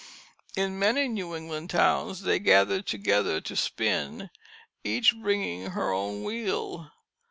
In many New England towns they gathered together to spin, each bringing her own wheel.